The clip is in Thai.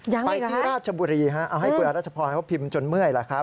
ยังไม่เหรอครับไปที่ราชบุรีฮะเอาให้กุญแจรัชพรพิมพ์จนเมื่อยละครับ